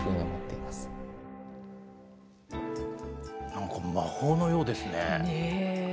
なんか、魔法のようですね。